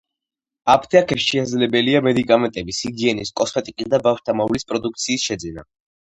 აფთიაქებში შესაძლებელია მედიკამენტების, ჰიგიენის, კოსმეტიკის და ბავშვთა მოვლის პროდუქციის შეძენა.